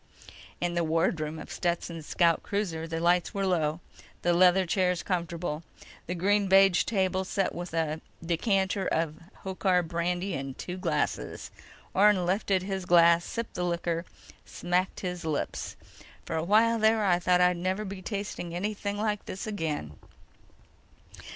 In the wardroom of Stetson's scout cruiser, the lights were low, the leather chairs comfortable, the green beige table set with a decanter of Hochar brandy and two glasses. Orne lifted his glass, sipped the liquor, smacked his lips. "For a while there, I thought I'd never be tasting anything like this again."